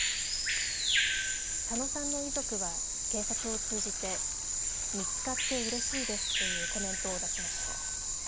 佐野さんの遺族は警察を通じて見つかってうれしいですというコメントを出しました。